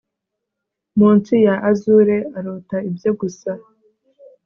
Munsi ya azure arota ibye gusa